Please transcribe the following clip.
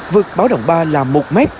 vượt báo động ba là một m